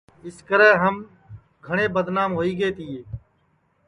اِس وجعہ سے ہم گھٹؔے بدنام ہوئی گئے تیے